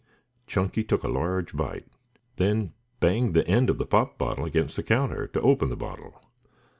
Chunky took a large bite, then banged the end of the pop bottle against the counter to open the bottle.